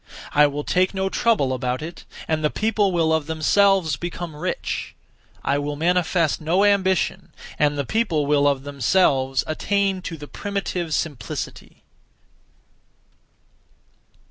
I will take no trouble about it, and the people will of themselves become rich; I will manifest no ambition, and the people will of themselves attain to the primitive simplicity.'